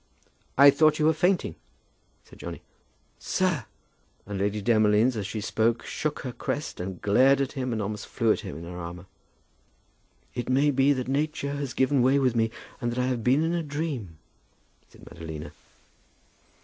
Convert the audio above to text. "I thought you were fainting," said Johnny. "Sir!" And Lady Demolines, as she spoke, shook her crest, and glared at him, and almost flew at him in her armour. "It may be that nature has given way with me, and that I have been in a dream," said Madalina.